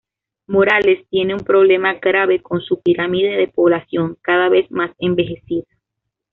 Morales tiene un problema grave con su pirámide de población, cada vez más envejecida.